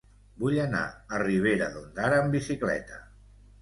Vull anar a Ribera d'Ondara amb bicicleta.